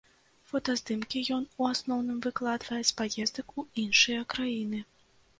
Фотаздымкі ён у асноўным выкладвае з паездак у іншыя краіны.